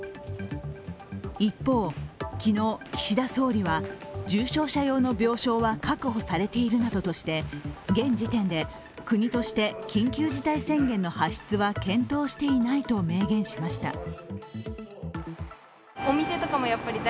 一方、昨日、岸田総理は重症者用の病床は確保されているなどとして現時点で国として緊急事態宣言の発出は検討していないと明言しました。